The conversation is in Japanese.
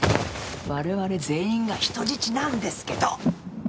我々全員が人質なんですけど！